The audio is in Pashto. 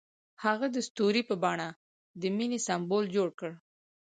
هغه د ستوري په بڼه د مینې سمبول جوړ کړ.